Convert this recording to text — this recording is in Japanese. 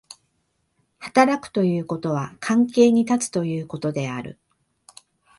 働くということは関係に立つということである。